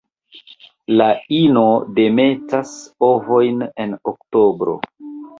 La ino demetas ovojn en oktobro.